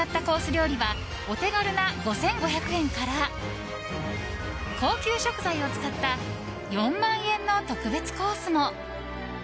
料理はお手軽な５５００円から高級食材を使った４万円の特別コースも。